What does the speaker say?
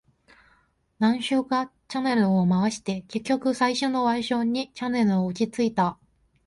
何周かチャンネルを回して、結局最初のワイドショーにチャンネルは落ち着いた。